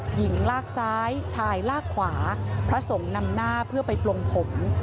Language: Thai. หญิงลากซ้ายชายลากขวาพระสงฆ์นำหน้าเพื่อไปปลงผม